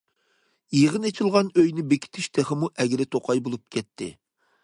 يىغىن ئېچىلغان ئۆينى بېكىتىش تېخىمۇ ئەگرى- توقاي بولۇپ كەتتى.